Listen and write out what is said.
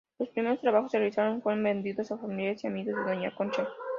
Los primeros trabajos realizados fueron vendidos a familiares y amigos de Doña Concha.